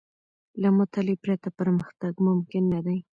له مطالعې پرته، پرمختګ ممکن نه دی.